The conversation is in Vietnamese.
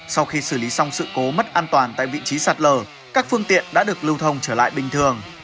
sau khi xử lý xong sự cố mất an toàn tại vị trí sạt lở các phương tiện đã được lưu thông trở lại bình thường